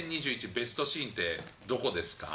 ベストシーンってどこですか？